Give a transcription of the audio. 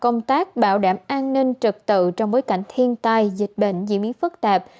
công tác bảo đảm an ninh trật tự trong bối cảnh thiên tai dịch bệnh diễn biến phức tạp